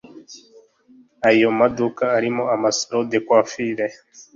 Ayo maduka arimo amasalons de coiffure